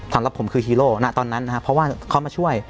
สำหรับผมคือหิโร่ตอนนั้นเพราะเขามาช่วย